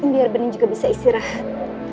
biar bening juga bisa istirahat